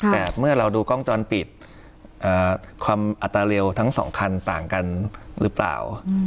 แต่เมื่อเราดูกล้องจรปิดความอัตราเร็วทั้งสองคันต่างกันหรือเปล่า